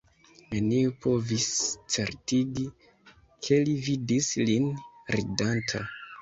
Neniu povis certigi, ke li vidis lin ridanta.